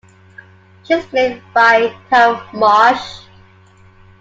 She is played by Carol Marsh.